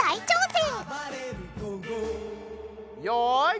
よい！